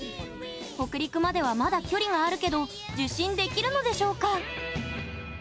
北陸までは、まだ距離があるけど受信できるのでしょうか？